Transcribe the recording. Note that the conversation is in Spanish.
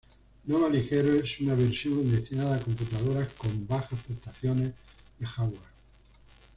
Nova Ligero es una versión destinada a computadoras con bajas prestaciones de hardware.